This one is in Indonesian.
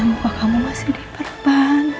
muka kamu masih diperban